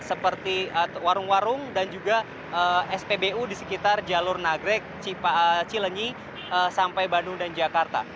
seperti warung warung dan juga spbu di sekitar jalur nagrek cilenyi sampai bandung dan jakarta